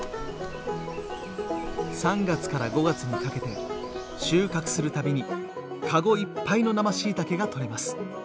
３月から５月にかけて収穫するたびに籠いっぱいの生しいたけがとれます。